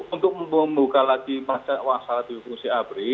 untuk membuka di masjid masjid volkswagenksi abri